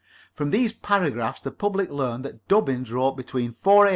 From these paragraphs the public learned that Dubbins wrote between 4 A.